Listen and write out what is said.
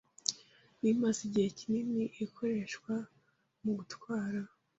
Nili imaze igihe kinini ikoreshwa mu gutwara